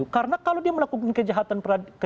karena kalau dia melakukan kejahatan